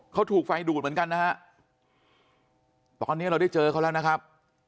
เขาถูกไฟดูดเหมือนกันนะฮะตอนนี้เราได้เจอเขาแล้วนะครับ